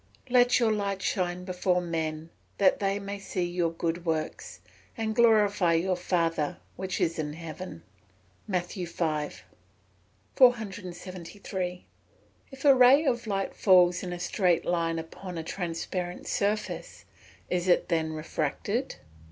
[Verse: "Let your light so shine before men, that they may see your good works, and glorify your father which is in heaven." MATT. V.] 473. _If a ray of light falls in a straight line upon a transparent surface, is it then refracted?